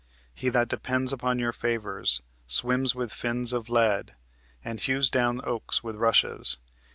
He that depends Upon your favors, swims with fins of lead, And hews down oaks with rushes.